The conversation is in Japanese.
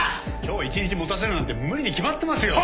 今日一日持たせるなんて無理に決まってますよ。